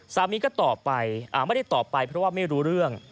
สามีก็ตอบไปไม่ได้ตอบไปเพราะว่าไม่รู้เรื่อง